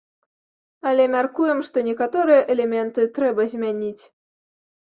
Але мяркуем, што некаторыя элементы трэба змяніць.